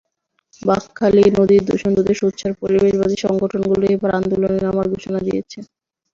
বাঁকখালী নদীর দূষণ রোধে সোচ্চার পরিবেশবাদী সংগঠনগুলো এবার আন্দোলনে নামার ঘোষণা দিয়েছে।